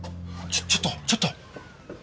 ちょっとちょっと！